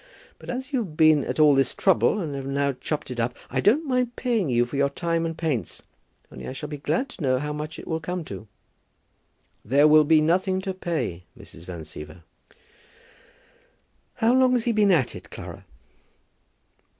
"But as you've been at all this trouble, and have now chopped it up, I don't mind paying you for your time and paints; only I shall be glad to know how much it will come to?" "There will be nothing to pay, Mrs. Van Siever." "How long has he been at it, Clara?"